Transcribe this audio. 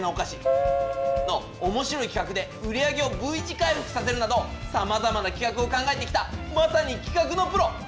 プー。のおもしろい企画で売り上げをＶ字回復させるなどさまざまな企画を考えてきたまさに企画のプロ。